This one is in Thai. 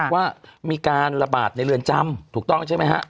ว่ามีการระบาดในเรือนจำถูกต้องใช่ไหมฮะ